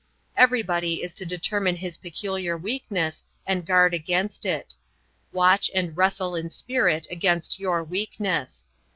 Everybody is to determine his peculiar weakness and guard against it. Watch and wrestle in spirit against your weakness.